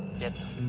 wah bud lihat tuh